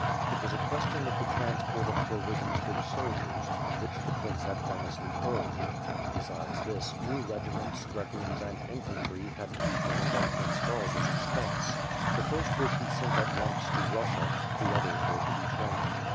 It was a question of the transport of provisions to the soldiers, which the prince had earnestly urged; besides this, new regiments, dragoons and infantry, had to be formed at Prince Charles' expense. The first were to be sent at once to Russia, the others were to be trained.